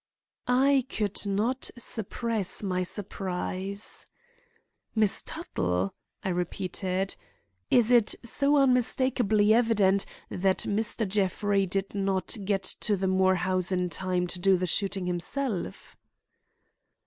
I could not suppress my surprise. "Miss Tuttle!" I repeated. "Is it so unmistakably evident that Mr. Jeffrey did not get to the Moore house in time to do the shooting himself?"